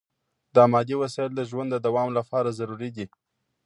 دا مادي وسایل د ژوند د دوام لپاره ضروري دي.